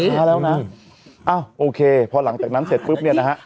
ลูกค้าแล้วนะโอเคพอหลังจากนั้นเสร็จปุ๊บนี้นะฮะ